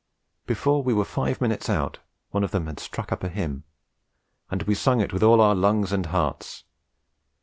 Before we were five minutes out, one of them had struck up a hymn, and we had sung it with all our lungs and hearts.